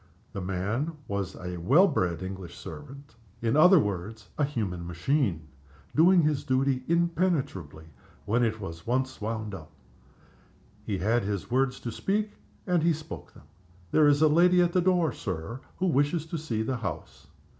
The man was a well bred English servant. In other words, a human machine, doing its duty impenetrably when it was once wound up. He had his words to speak, and he spoke them. "There is a lady at the door, Sir, who wishes to see the house."